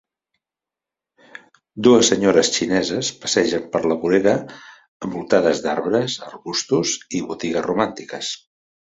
Dues senyores xineses passegen per la vorera envoltades d'arbres, arbustos i botigues romàntiques.